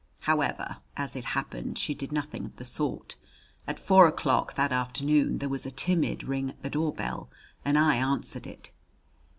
However, as it happened, she did nothing of the sort. At four o'clock that afternoon there was a timid ring at the doorbell and I answered it.